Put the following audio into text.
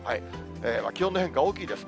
気温の変化大きいです。